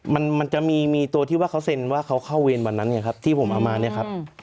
มันจะมีตัวที่ว่าเขาเซ็นว่าเขาเข้าเวรวันนั้นที่ผมเอามานี่ครับ